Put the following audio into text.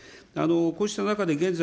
こうした中で、現在、